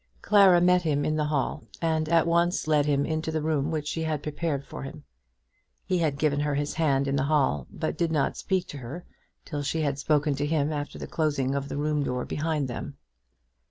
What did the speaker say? Clara met him in the hall, and at once led him into the room which she had prepared for him. He had given her his hand in the hall, but did not speak to her till she had spoken to him after the closing of the room door behind them.